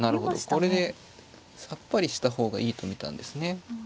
これでさっぱりした方がいいと見たんですね。